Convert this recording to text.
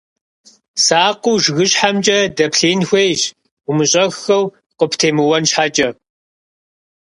Сакъыу жыгыщхьэмкӀэ дэплъеин хуейщ, умыщӀэххэу къыптемыуэн щхьэкӀэ.